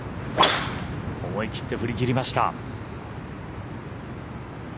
思い切って振り切りました。